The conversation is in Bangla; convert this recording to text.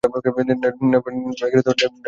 নেপাল সরকার তাকে আশ্রয় দান করে।